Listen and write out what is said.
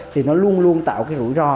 thì nó luôn luôn tạo cái rủi ro